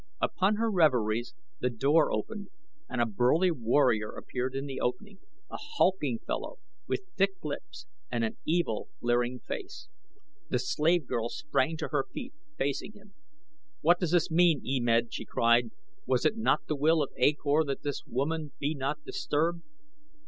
Upon her reveries the door opened and a burly warrior appeared in the opening a hulking fellow, with thick lips and an evil, leering face. The slave girl sprang to her feet, facing him. "What does this mean, E Med?" she cried, "was it not the will of A Kor that this woman be not disturbed?"